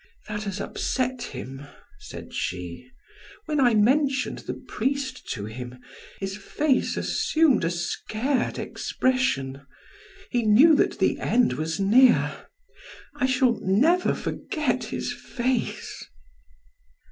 "That has upset him," said she. "When I mentioned the priest to him, his face assumed a scared expression. He knew that the end was near. I shall never forget his face."